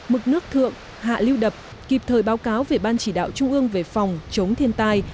mực nước thượng hạ lưu đập kịp thời báo cáo về ban chỉ đạo trung ương về phòng chống thiên tai